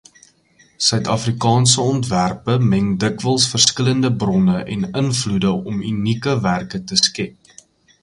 Suid-Afrikaanse ontwerpe meng dikwels verskillende bronne en invloede om unieke werke te skep.